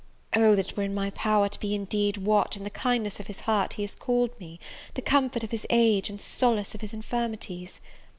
Oh, that it were in my power to be indeed what, in the kindness of his heart, he has called me, the comfort of his age, and solace of his infirmities!